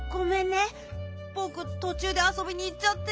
ぼくとちゅうであそびにいっちゃって。